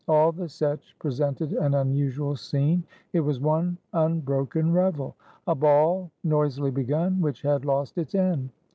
All the Setch presented an unusual scene: it was one unbroken revel; a ball noisily begun, which had lost its end.